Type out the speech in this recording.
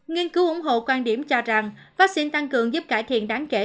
nghiên cứu ủng hộ quan điểm cho rằng vaccine tăng cường giúp cải thiện đáng kể